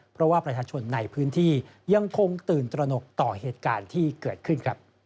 เพราะว่าประชาชนในพื้นที่ยังคงตื่นตระหนกต่อเหตุการณ์ที่เกิดขึ้น